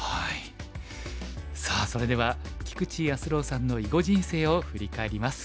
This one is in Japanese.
さあそれでは菊池康郎さんの囲碁人生を振り返ります。